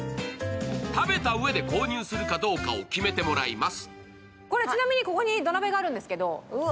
食べたうえで購入するかどうかを決めてもらいます。